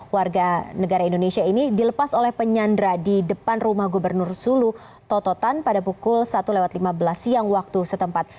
warga negara indonesia ini dilepas oleh penyandra di depan rumah gubernur sulu tototan pada pukul satu lewat lima belas siang waktu setempat